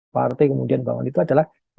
partai kemudian bangun itu adalah